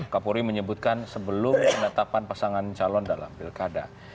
kapolri menyebutkan sebelum penetapan pasangan calon dalam pilkada